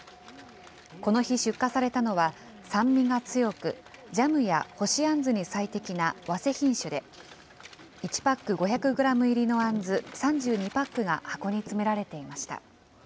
この日、出荷されたのは酸味が強く、ジャムや干しあんずに最適なわせ品種で、１パック５００グラム入りのあんず３２パックが箱に詰められていました。